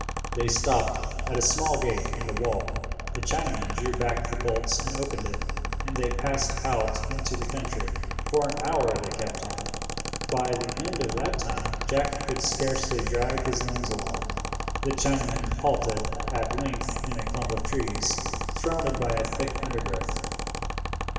They stopped at a small gate in the wall, the Chinaman drew back the bolts and opened it, and they passed out into the country. For an hour they kept on. By the end of that time Jack could scarcely drag his limbs along. The Chinaman halted at length in a clump of trees, surrounded by a thick undergrowth.